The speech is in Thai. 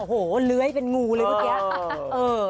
โหเล้ยเป็นงูเลยเมื่อกี้